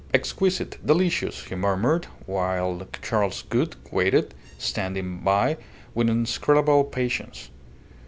"Exquisite, delicious!" he murmured; while Charles Gould waited, standing by with inscrutable patience.